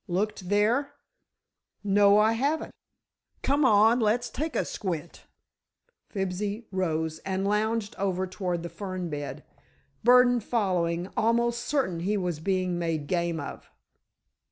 "Looked there?" "No; I haven't." "C'mon, let's take a squint." Fibsy rose and lounged over toward the fern bed, Burdon following, almost certain he was being made game of.